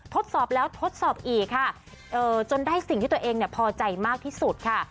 ทดสอบแล้วทดสอบอีกค่ะจนได้สิ่งที่ตัวเองพอใจมากที่สุดค่ะ